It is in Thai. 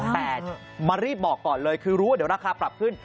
แต่มารีบบอกก่อนเลยคือรู้ว่าเดี๋ยวราคาปรับขึ้น